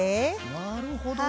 なるほどね。